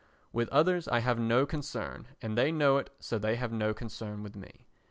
With others I have no concern, and they know it so they have no concern with me.